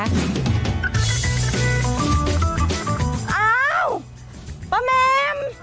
อ้าวป้าแมม